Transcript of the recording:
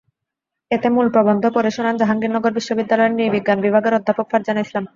এতে মূল প্রবন্ধ পড়ে শোনান জাহাঙ্গীরনগর বিশ্ববিদ্যালয়ের নৃ-বিজ্ঞান বিভাগের অধ্যাপক ফারজানা ইসলাম।